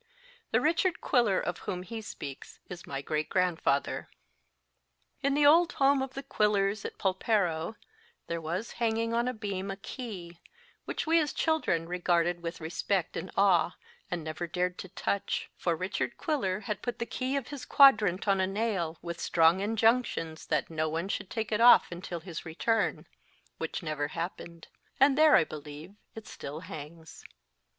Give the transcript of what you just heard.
The Richard Ouiller of whom he speaks is my great grandfather. In the old home of the Quillers, at Polperro, there was hanging on a beam a key, which we as children regarded with respect and awe, and never dared to touch, for Richard Quiller had put the key of his quadrant on a nail, with strong injunctions that no one should take it off until his return (which never happened), and there, I believe, it still hangs.